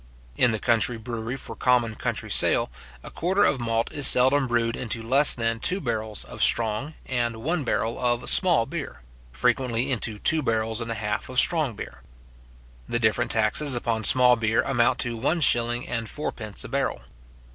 In the country brewery for common country sale, a quarter of malt is seldom brewed into less than two barrels of strong, and one barrel of small beer; frequently into two barrels and a half of strong beer. The different taxes upon small beer amount to one shilling and fourpence a barrel.